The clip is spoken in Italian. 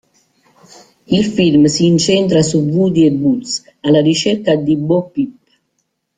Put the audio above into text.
Il film si incentra su Woody e Buzz alla ricerca di Bo Peep.